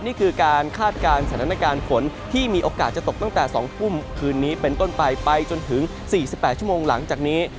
นี่คือการคาดการณ์สถานการณ์ฝนที่มีโอกาสจะตกตั้งแต่๒ทุ่มคืนนี้เป็นต้นไปไปจนถึง๔๘ชั่วโมงหลังจากนี้